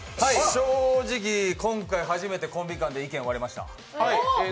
正直、今回初めてコンビ間で意見が割れました。